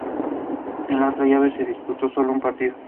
En la otra llave se disputó sólo un partido.